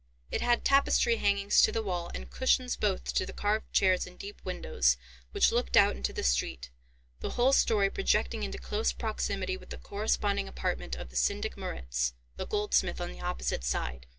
It had tapestry hangings to the wall, and cushions both to the carved chairs and deep windows, which looked out into the street, the whole storey projecting into close proximity with the corresponding apartment of the Syndic Moritz, the goldsmith on the opposite side.